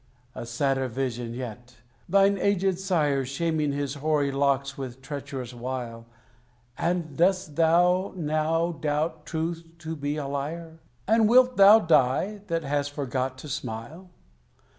A sadder vision yet: thine aged sire Shaming his hoary locks with treacherous wile! And dost thou now doubt Truth to be a liar? And wilt thou die, that hast forgot to smile?